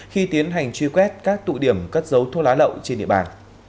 khi tiến hành truy quét các tụ điểm cất giấu thuốc lá lậu trên địa bàn